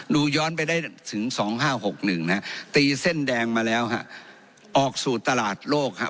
ย้อนไปได้ถึง๒๕๖๑นะฮะตีเส้นแดงมาแล้วฮะออกสู่ตลาดโลกครับ